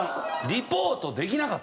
リポートできなかった。